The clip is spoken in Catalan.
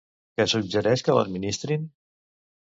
Què suggereix que l'administrin?